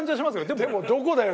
長嶋：でも、どこだよ？